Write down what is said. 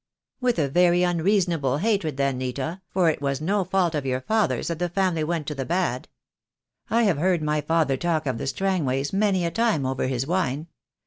"With a very unreasonable hatred, then, Nita, for it was no fault of your father's that the family went to the bad. I have heard my father talk of the Strangways many a time over his wine.